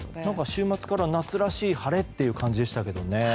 週末から夏らしい晴れっていう感じでしたけどね。